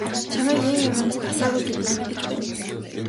Чамайг ийм юманд дасаагүй гэдгийг мэдэж байна.